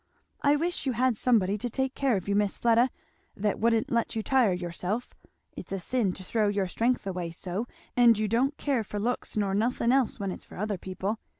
"I wish you had somebody to take care of you, Miss Fleda, that wouldn't let you tire yourself. It's a sin to throw your strength away so and you don't care for looks nor nothing else when it's for other people.